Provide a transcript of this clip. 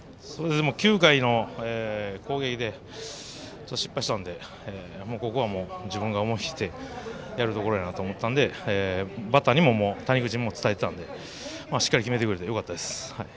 ９回の攻撃で失敗したのでここは自分が思い切ってやるところだと思ったのでバッターにも伝えていたのでしっかり決めてくれてよかったです。